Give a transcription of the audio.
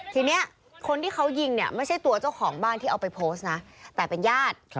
ทีนี้คนที่เขายิงเนี่ยไม่ใช่ตัวเจ้าของบ้านที่เอาไปโพสต์นะแต่เป็นญาติ